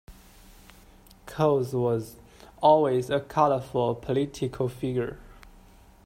Coles was always a colourful political figure.